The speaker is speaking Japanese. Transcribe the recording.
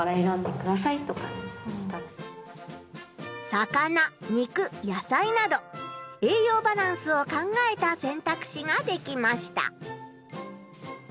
魚肉野菜などえいようバランスを考えた選択肢ができました。